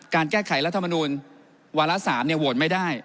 การแก้ไขรัฐมนูลวาระ๓โหวตไม่ได้